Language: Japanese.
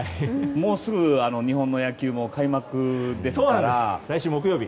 もうすぐ日本の野球も開幕ですから。